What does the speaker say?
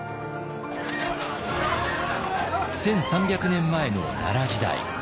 １，３００年前の奈良時代。